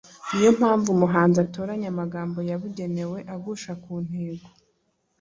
ni yo mpamvu umuhanzi atoranya amagambo yabugenewe agusha ku ngingo.